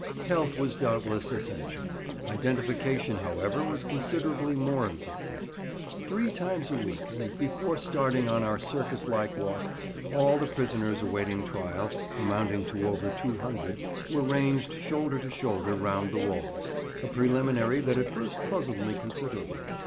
Health was doubtless essential; identification, however, was considerably more important. Three times a week, and before starting on our circus like walk, all the prisoners awaiting trial, amounting to over two hundred, were ranged shoulder to shoulder round the walls, a preliminary that at first puzzled me considerably.